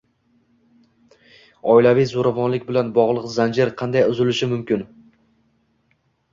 Oilaviy zo‘ravonlik bilan bog‘liq zanjir qanday uzilishi mumkin?ng